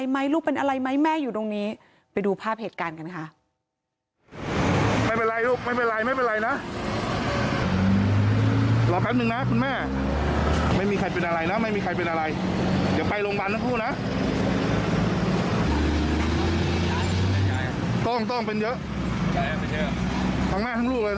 ไหนอยู่ตรงนี้ไปดูภาพเหตุการณ์กันค่ะ